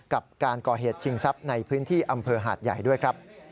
กับการก่อเหตุชิงทรัพย์ในพื้นที่อำเภอหาดใหญ่ด้วยครับ